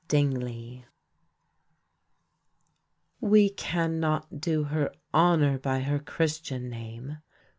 DINGLEY We cannot do her honour by her Christian name.